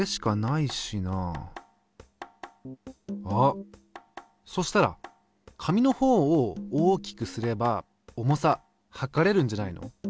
あっそしたら紙のほうを大きくすれば重さ量れるんじゃないの？